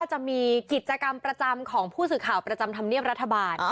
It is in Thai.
จะมีกิจกรรมประจำของผู้สื่อข่าวประจำธรรมเนียบรัฐบาล